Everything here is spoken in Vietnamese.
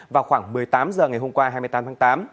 vào khoảng một mươi tám h ngày hôm qua hai mươi tám tháng tám